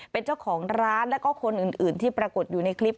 เป็นเจ้าของร้านแล้วก็คนอื่นที่ปรากฏอยู่ในคลิป